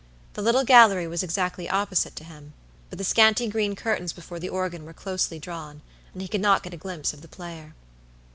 The little gallery was exactly opposite to him, but the scanty green curtains before the organ were closely drawn, and he could not get a glimpse of the player.